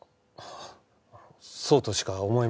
そうとしか思えません。